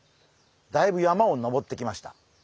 だいぶ山を登ってきました。